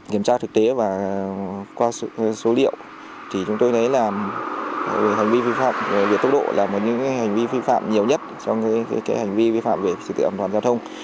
kiểm tra thực tế và qua số liệu thì chúng tôi thấy là hành vi vi phạm về tốc độ là một những hành vi vi phạm nhiều nhất trong hành vi vi phạm về sự tự ẩm toàn giao thông